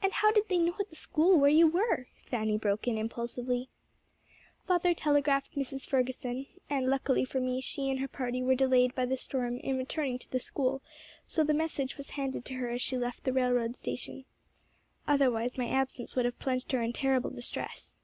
"And how did they know at the school where you were?" Fanny broke in impulsively. "Father telegraphed Mrs. Ferguson; and luckily for me, she and her party were delayed by the storm in returning to the school, so the message was handed to her as she left the railroad station. Otherwise, my absence would have plunged her in terrible distress."